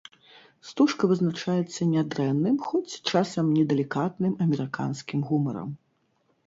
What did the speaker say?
Стужка вызначаецца нядрэнным, хоць часам недалікатным амерыканскім гумарам.